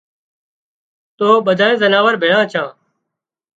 تو ٻڌانئي زناوۯ ڀيۯان ڇان